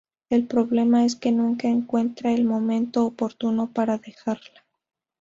El problema es que nunca encuentra el momento oportuno para dejarla.